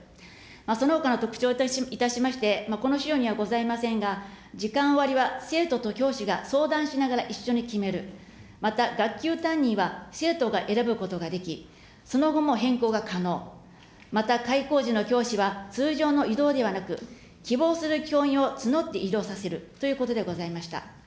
そのほかの特徴といたしましては、この資料にはございませんが、時間割は生徒と教師が相談しながら一緒に決める、また学級担任は生徒が選ぶことができ、その後も変更が可能、また開校時の教師は通常の異動ではなく、希望する教員を募って異動させるということでございました。